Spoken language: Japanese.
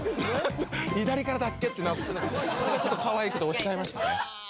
左からだっけってなってそれがちょっとかわいくて押しちゃいましたね